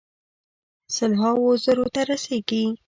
سل هاوو زرو ته رسیږي.